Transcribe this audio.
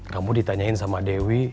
kamu ditanyain sama dewi